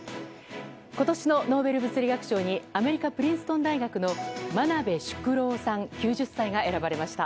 今年のノーベル物理学賞にアメリカ・プリンストン大学の真鍋淑郎さん、９０歳が選ばれました。